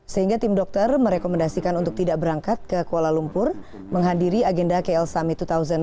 sehingga tim dokter merekomendasikan untuk tidak berangkat ke kuala lumpur menghadiri agenda kl summit dua ribu delapan belas